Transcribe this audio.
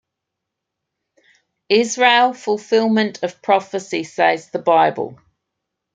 Israel Fulfilment of Prophecy Says The Bible.